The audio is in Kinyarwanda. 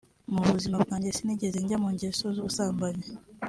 Mu buzima bwanjye sinigeze njya mu ngeso z’ubusambanyi